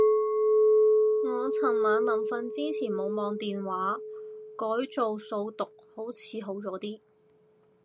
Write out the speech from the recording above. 我尋晚臨瞓之前冇望電話，改做數獨好似好咗啲